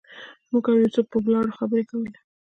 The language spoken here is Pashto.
موږ او یوسف په ولاړه خبرې کولې.